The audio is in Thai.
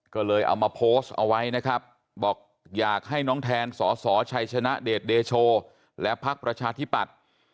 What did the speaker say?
ก็เลยเอามาโพสต์เอาไว้นะครับบอกอยากให้น้องแทนสสชัยชนะเดชเดโชและพักประชาธิปัตย์